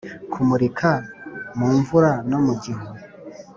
kumurika mu mvura no mu gihu,